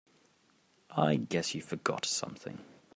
I guess you forgot something.